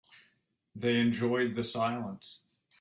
They enjoyed the silence.